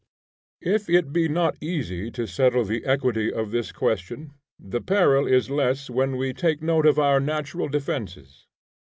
If it be not easy to settle the equity of this question, the peril is less when we take note of our natural defences.